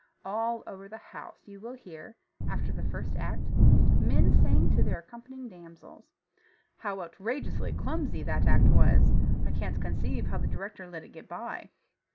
All over the house you will hear (after the first act) men saying to their accompanying damsels, "How outrageously clumsy that act was. I can't conceive how the director let it get by."